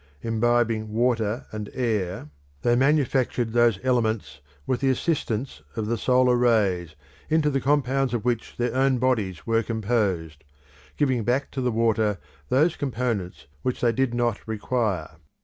Imbibing water and air, they manufactured those elements with the assistance of the solar rays, into the compounds of which their own bodies were composed, giving back to the water those components which they did not require.